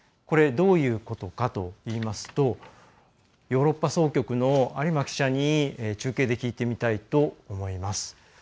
どういうことかといいますとヨーロッパ総局の有馬記者に中継で聞いてみたいと思います。